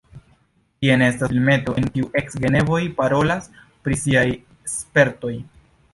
Jen estas filmeto, en kiu eks-genevoj parolas pri siaj spertoj.